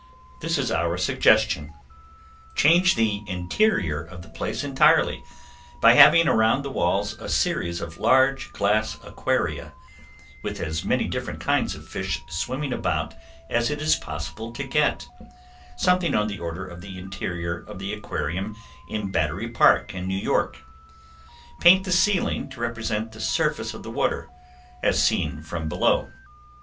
This is our suggestion: Change the interior of the place entirely by having around the walls a series of large glass aquaria, with as many different kinds of fish swimming about as it is possible to get; something on the order of the interior of the aquarium in Battery Park in New York. Paint the ceiling to represent the surface of the water as seen from below.